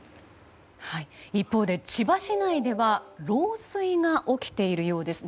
一方で千葉市内では漏水が起きているようです。